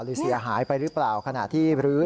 เสียหายไปหรือเปล่าขณะที่รื้อ